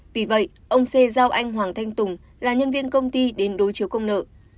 vì vậy ông xê giao anh hoàng thanh tùng là nhân viên công ty đến đối chiếu công nợ